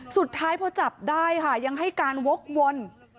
สุดท้ายพอจับได้ค่ะยังให้การวกวน